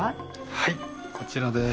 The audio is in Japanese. はいこちらです